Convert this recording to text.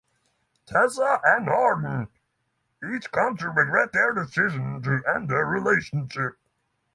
Tessa and Hardin each come to regret their decision to end their relationship.